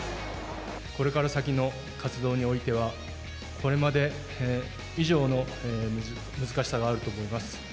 これから先の活動においては、これまで以上の難しさがあると思います。